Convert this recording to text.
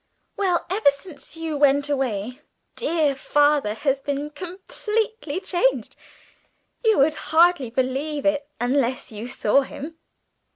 Well, ever since you went away, dear Father has been completely changed; you would hardly believe it unless you saw him.